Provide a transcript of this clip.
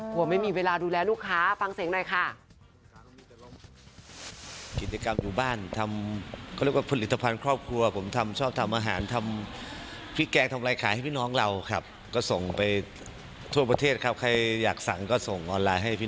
กลัวไม่มีเวลาดูแลลูกค้าฟังเสียงหน่อยค่ะ